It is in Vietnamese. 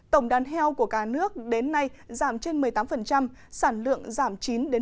tổng đàn heo của cả nước đến nay giảm trên một mươi tám sản lượng giảm chín một mươi